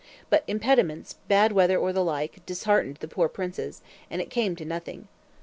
But impediments, bad weather or the like, disheartened the poor Princes, and it came to nothing.